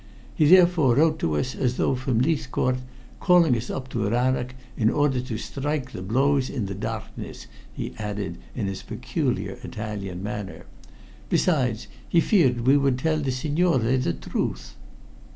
He therefore wrote to us as though from Leithcourt, calling us up to Rannoch, in order to strike the blows in the darkness," he added in his peculiar Italian manner. "Besides, he feared we would tell the signore the truth."